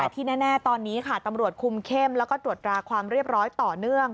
แต่ที่แน่ตอนนี้ค่ะตำรวจคุมเข้มแล้วก็ตรวจราความเรียบร้อยต่อเนื่อง